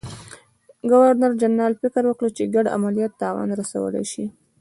ګورنرجنرال فکر وکړ چې ګډ عملیات تاوان رسولای شي.